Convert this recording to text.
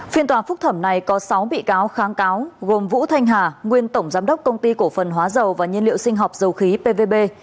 phiên tòa phúc thẩm này có sáu bị cáo kháng cáo gồm vũ thanh hà nguyên tổng giám đốc công ty cổ phần hóa dầu và nhiên liệu sinh học dầu khí pvb